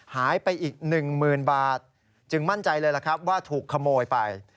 หายไปอีก๑๐๐๐บาทจึงมั่นใจเลยล่ะครับว่าถูกขโมยไป